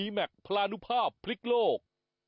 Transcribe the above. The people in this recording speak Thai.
แมคพลานุภาพพลิกโลก